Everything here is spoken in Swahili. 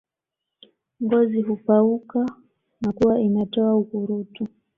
Ngozi hupauka na kuwa inatoa ukurutu